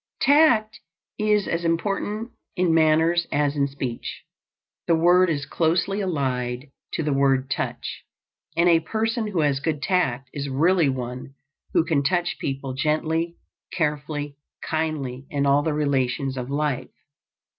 Tact is as important in manners as in speech. The word is closely allied to the word touch, and a person who has good tact is really one who can touch people gently, carefully, kindly, in all the relations of life.